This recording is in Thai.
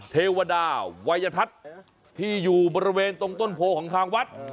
เทวดาวัยทัศน์ที่อยู่บริเวณตรงต้นโพของทางวัด